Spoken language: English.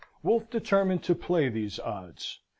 Wolfe determined to play these odds.